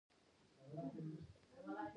له همدې کبله یې بیه له ارزښت څخه ټیټه وي